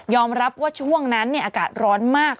รับว่าช่วงนั้นอากาศร้อนมาก